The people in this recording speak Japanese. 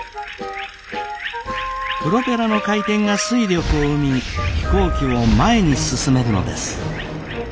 プロペラの回転が推力を生み飛行機を前に進めるのです。